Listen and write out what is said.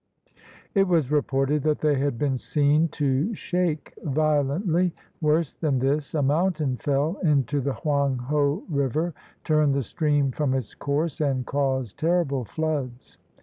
It was reported that they had been seen to shake violently. Worse than this, a mountain fell into the Hoang ho River, turned the stream from its course, and caused terrible floods.